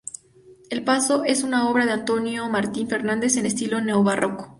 El paso es una obra de Antonio Martín Fernández en estilo neobarroco.